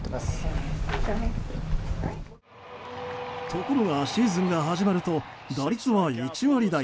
ところがシーズンが始まると打率は１割台。